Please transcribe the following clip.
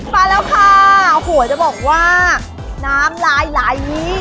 ไปแล้วค่ะโหจะบอกว่าน้ำลายนี้